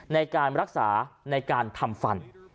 ในการรักษาในการทำฟัน